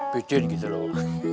bidin gitu loh